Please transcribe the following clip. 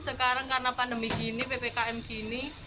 sekarang karena pandemi gini ppkm gini